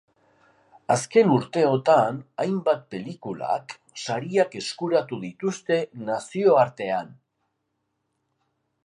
Azken urteotan hainbat pelikulak sariak eskuratu dituzte nazioartean.